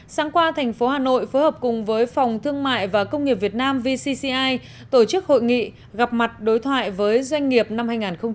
sáng qua thành phố hà nội phối hợp cùng với phòng thương mại và công nghiệp việt nam vcci tổ chức hội nghị gặp mặt đối thoại với doanh nghiệp năm hai nghìn hai mươi